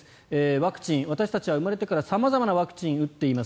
ワクチン私たちは生まれてから様々なワクチンを打っています。